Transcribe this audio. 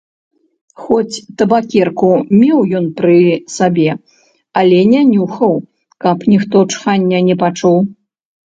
Хоць табакерку меў ён пры сабе, але не нюхаў, каб ніхто чхання не пачуў.